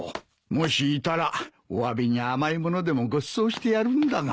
もしいたらおわびに甘いものでもごちそうしてやるんだが。